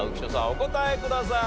お答えください。